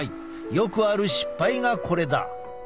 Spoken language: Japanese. よくある失敗がこれだ。